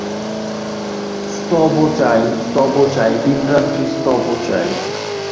স্তব চাই, স্তব চাই, দিনরাত্রি স্তব চাই!